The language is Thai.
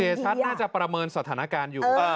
เสียชัดน่าจะประเมินสัมภัณฑ์การอยู่